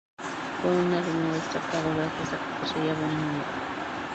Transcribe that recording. Fue un alumno destacado, gracias a que poseía buena memoria.